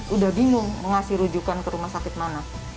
udah bingung mengasih rujukan ke rumah sakit mana